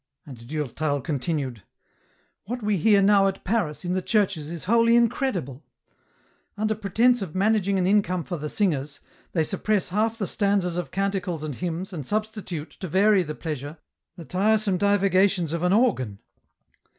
And Durtal continued, " What we hear now at Paris, in the churches, is wholly incredible ' Under pretence of managing an income for the singers, they suppress half the stanzas of canticles and hymns, and substitute, to vary the pleasure, the tiresome divagations of an organ.